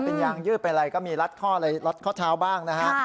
เป็นยางยืดเป็นอะไรก็มีรัดข้ออะไรรัดข้อเท้าบ้างนะฮะ